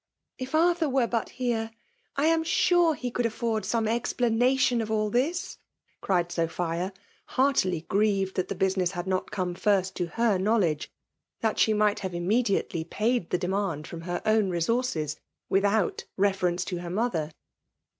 •* If Arthur were but here! — I am sure he could afford some explanation of all this,"* cried Sophia, heartily griered the business had not come first to her knowledge, that she might have inraefatdy paid the demand from her own resources^ without reference to her mother.